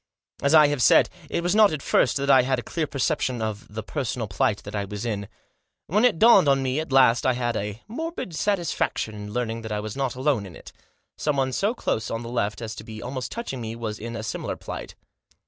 As I have said, it was not at first that I had a clear perception of the personal plight that I was in. When it dawned on me at last I had a morbid satisfaction in learning that I was not alone in it. Someone so close On the left as to be almost touching me was in a similar plight.